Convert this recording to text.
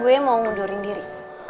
lu emang ngundurin diri